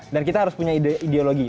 dan kita harus punya ideologi